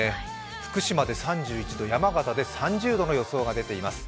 福島で３１度、山形で３０度の予想が出ています。